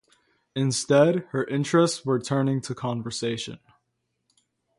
Instead, her interests were turning to conservation.